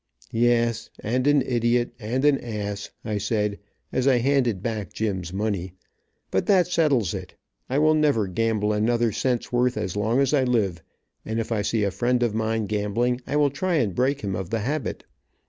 "Yes, and an idiot, and an ass," I said, as I handed back Jim's money. "But that settles it. I will never gamble another cent's worth as long as I live, and if I see a friend of mine gambling, I will try and break him of the habit.